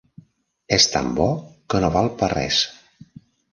És tan bo que no val per res.